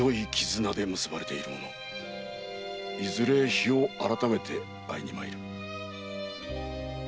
いずれ日を改めて会いに参る。